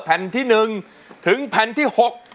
แผ่นที่๑ถึงแผ่นที่๖